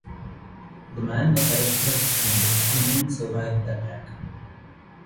The man was arrested and the woman survived the attack.